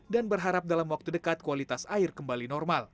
dan berharap dalam waktu dekat kualitas air kembali normal